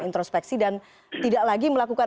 introspeksi dan tidak lagi melakukan